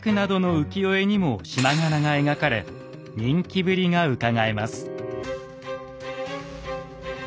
浮世絵にも縞柄が描かれ人気ぶりがうかがえます。